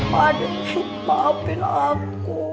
pade maafin aku